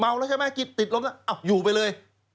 เมาแล้วใช่ไหมกิ๊บติดลมออยู่ไปเลย